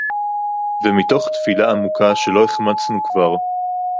ומתוך תפילה עמוקה שלא החמצנו כבר